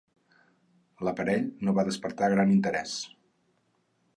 L'aparell no va despertar gran interès.